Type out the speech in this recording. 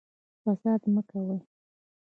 فساد مه کوئ